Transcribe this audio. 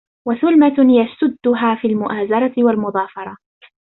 وَثُلْمَةٌ يَسُدُّهَا فِي الْمُؤَازَرَةِ وَالْمُظَافَرَةِ